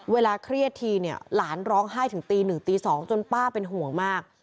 เวลาเครียดทีหลานร้องไห้ถึงตีหนึ่งตีสองจนป้าเป็นห่วงมาก